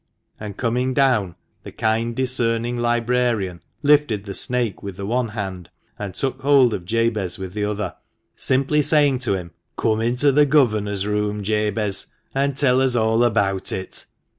And, coming down, the kind, discerning librarian lifted the snake with the one hand, and took hold of Jabez with the other, simply saying to him — "Come into the governor's room, Jabez, and tell us all about it."